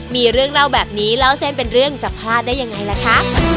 มีเรื่องเล่าแบบนี้เล่าเส้นเป็นเรื่องจะพลาดได้ยังไงล่ะคะ